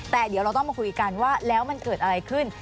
แต่เดี๋ยวเราต้องมาคุยกันว่าแล้วมันเกิดอะไรขึ้น